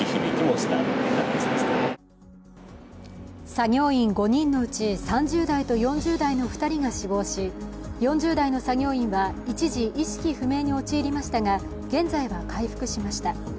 作業員５人のうち、３０代と４０代の２人が死亡し、４０代の作業員は一時意識不明に陥りましたが、現在は回復しました。